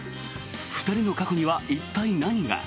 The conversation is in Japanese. ２人の過去には一体、何が？